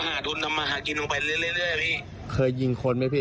แล้วผมก็หาทุนทำมาหากินตัวไปเรื่อยเรื่อยเรื่อยพี่เคยยิงคนไหมพี่